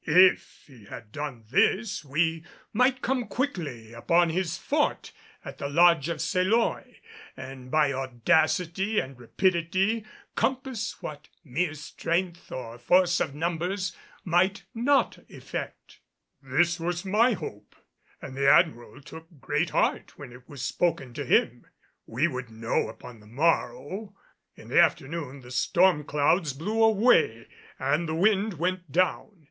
If he had done this we might come quickly upon his fort at the lodge of Seloy, and by audacity and rapidity compass what mere strength or force of numbers might not effect. This was my hope, and the Admiral took great heart when it was spoken to him. We would know upon the morrow. In the afternoon the storm clouds blew away and the wind went down.